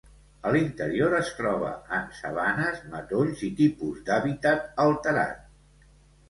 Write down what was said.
A l'interior es troba en sabanes, matolls i tipus d'hàbitat alterat.